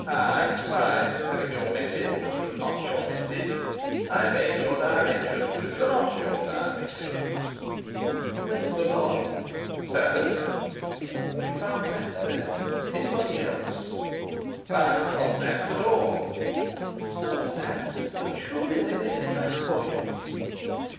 "I? Why, having your message which was not your message, I obeyed your directions which were not your directions." "You went to the lodge?" "Certainly." "And you found Sapt there? Anybody else?" "Why, not Sapt at all." "Not Sapt? But surely they laid a trap for you?"